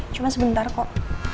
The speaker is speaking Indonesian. cuma sebentar kok